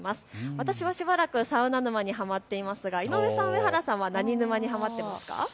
私はしばらくサウナ沼にハマっていますが井上さん、上原さんは何沼にハマっていますか。